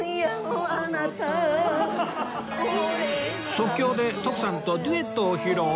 即興で徳さんとデュエットを披露！？